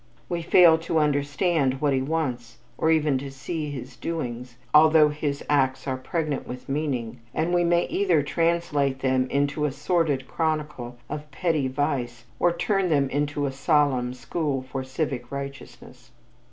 We fail to understand what he wants or even to see his doings, although his acts are pregnant with meaning, and we may either translate them into a sordid chronicle of petty vice or turn them into a solemn school for civic righteousness.